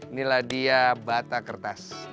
inilah dia bata kertas